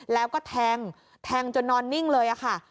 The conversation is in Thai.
แล้วก็แทงแทงจนนอนนิ่งเลยค่ะ